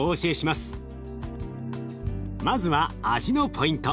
まずは味のポイント